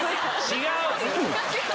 違う！